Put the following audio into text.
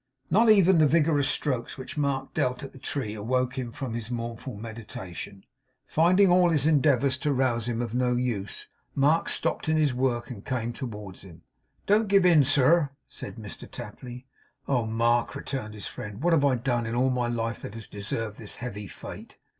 Not even the vigorous strokes which Mark dealt at the tree awoke him from his mournful meditation. Finding all his endeavours to rouse him of no use, Mark stopped in his work and came towards him. 'Don't give in, sir,' said Mr Tapley. 'Oh, Mark,' returned his friend, 'what have I done in all my life that has deserved this heavy fate?